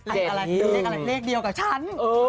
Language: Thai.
เลขอะไรเดียวกับฉัน